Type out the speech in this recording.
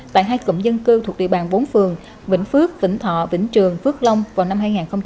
tại hai cụm dân cư thuộc địa bàn bốn phường vĩnh phước vĩnh thọ vĩnh trường phước long vào năm hai nghìn hai mươi